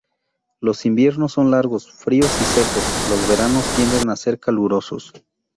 Los inviernos son largos, fríos y secos; los veranos tienden a ser calurosos.